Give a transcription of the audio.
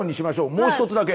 もう一つだけ。